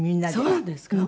そうなんですか？